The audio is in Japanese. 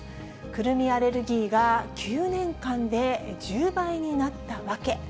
くるみアレルギーが９年間で１０倍になった訳。